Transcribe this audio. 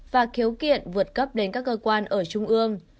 và khiếu kiện vượt cấp đến các cơ quan ở trung ương